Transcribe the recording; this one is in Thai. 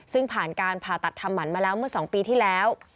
ซึ่งผ่านการผ่าตัดทำหมันมาแล้วเมื่อ๒ปีที่แล้ว